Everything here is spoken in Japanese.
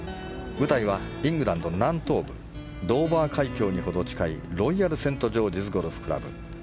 舞台はイングランド南東部ドーバー海峡に程近いロイヤルセントジョージズゴルフクラブ。